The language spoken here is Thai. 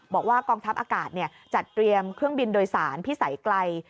บอกว่ากองทัพอากาศจัดเตรียมเครื่องบินโดยสารพิสัยไกล